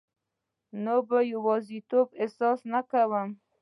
نو به د یوازیتوب احساس نه کوم